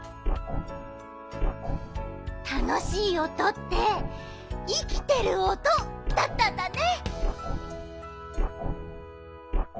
たのしいおとっていきてるおとだったんだね。